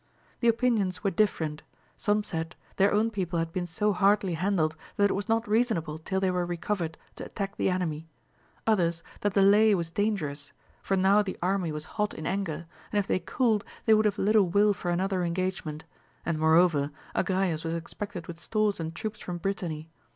The opinions were different : some said, their own people had been so hardly handled that it was not reasonable till they were recovered to attack the enemy ; others, that dday was dangerous, for now the army was hot 196 AMADIS OF GAUL. in anger, and if they cooled they would have little will for another engagement, and, moreover, Agrayes was expected with stores and troops from Britanny.